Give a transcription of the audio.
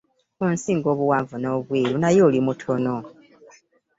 Onsinga obuwanvu no'bweru naye oli mutono.